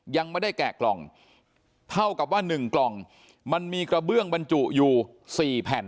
ยังไม่ได้แกะกล่องเท่ากับว่า๑กล่องมันมีกระเบื้องบรรจุอยู่๔แผ่น